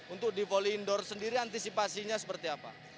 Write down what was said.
untuk di voli indoor sendiri antisipasinya seperti apa